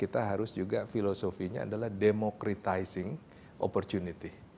kita harus juga filosofinya adalah democratizing opportunity